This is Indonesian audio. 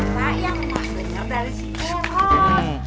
itu cerita yang maksudnya dari si nuron